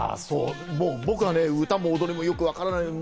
僕は歌も踊りもよくわからない。